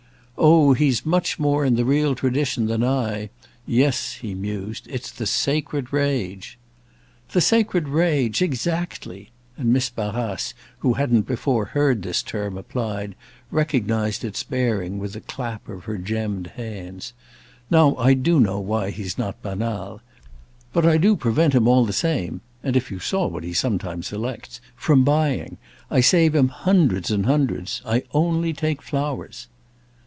"Oh he's much more in the real tradition than I. Yes," he mused, "it's the sacred rage." "The sacred rage, exactly!"—and Miss Barrace, who hadn't before heard this term applied, recognised its bearing with a clap of her gemmed hands. "Now I do know why he's not banal. But I do prevent him all the same—and if you saw what he sometimes selects—from buying. I save him hundreds and hundreds. I only take flowers."